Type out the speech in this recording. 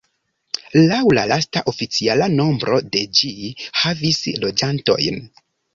Laŭ la lasta oficiala nombro de ĝi havis loĝantojn.